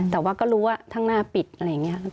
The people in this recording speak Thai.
แต่ว่าก็รู้ว่าข้างหน้าปิดอะไรอย่างนี้